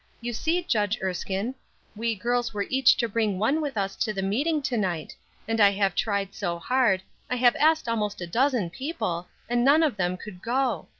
You see, Judge Erskine, we girls were each to bring one with us to the meeting to night, and I have tried so hard, I have asked almost a dozen people, and none of them could go.